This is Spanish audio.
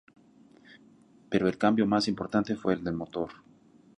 Pero el cambio más importante fue el del motor.